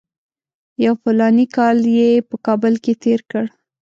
یو فلاني کال یې په کابل کې تېر کړ.